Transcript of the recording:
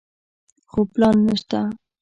خو پلان نشته.